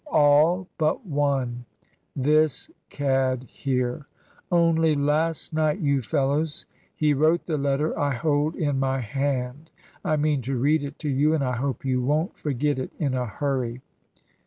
All but one this cad here! Only last night, you fellows, he wrote the letter I hold in my hand. I mean to read it to you, and I hope you won't forget it in a hurry."